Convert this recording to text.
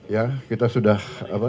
ya kita sudah